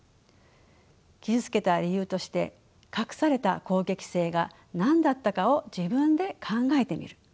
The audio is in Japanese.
傷つけた理由として隠された攻撃性が何だったかを自分で考えてみる。